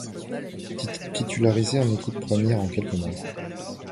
Titularisé en équipe première en quelques mois.